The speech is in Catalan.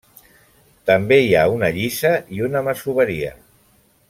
També hi ha una lliça i una masoveria.